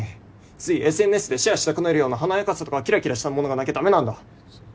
ついＳＮＳでシェアしたくなるような華やかさとかキラキラしたものがなきゃ駄目なんだ。